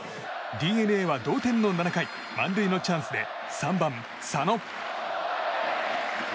ＤｅＮＡは同点の７回満塁のチャンスで３番、佐野。